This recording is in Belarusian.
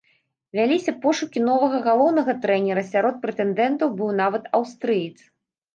Вяліся пошукі новага галоўнага трэнера, сярод прэтэндэнтаў быў нават аўстрыец.